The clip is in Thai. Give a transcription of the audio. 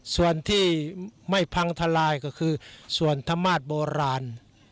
ส่วนที่ไม่พังทลายก็คือส่วนธรรมาศโบราณ